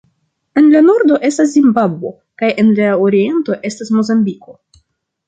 En la nordo estas Zimbabvo, kaj en la oriento estas Mozambiko.